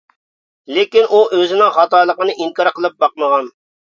لېكىن ئۇ ئۆزىنىڭ خاتالىقىنى ئىنكار قىلىپ باقمىغان.